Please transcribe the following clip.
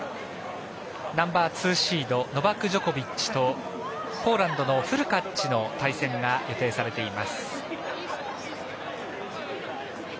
ナンバー２シードノバク・ジョコビッチとポーランドのフルカッチの対戦が予定されています。